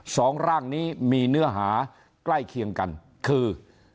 สองร่างนี้มีเนื้อหาใกล้เคียงกันคือ